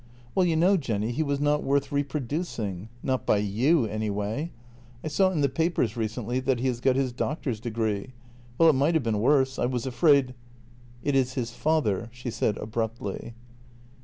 "Well, you know, Jenny, he was not worth reproducing — not by you anyway. I saw in the papers recently that he has got his doctor's degree. Well, it might have been worse — I was afraid ..."" It is his father," she said abruptly.